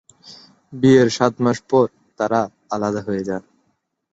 বিয়ের সাত মাস পর তারা আলাদা হয়ে যান।